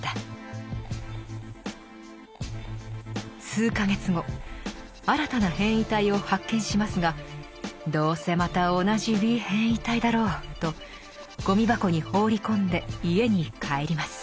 数か月後新たな変異体を発見しますが「どうせまた同じウィー変異体だろう」とゴミ箱に放り込んで家に帰ります。